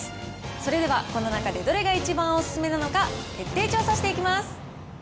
それではこの中でどれが一番お勧めなのか、徹底調査していきます